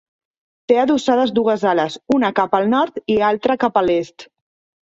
Té adossades dues ales, una cap al nord i altra cap a l'est.